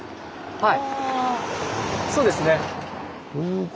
はい。